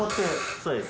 そうです。